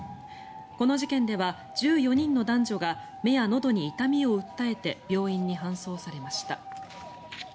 この事件では１４人の男女が目やのどに痛みを訴えて病院に搬送されました。